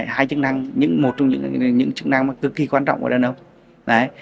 hai chức năng nhưng một trong những chức năng mà cực kỳ quan trọng của đàn ông